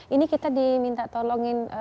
ini kita diminta tolongin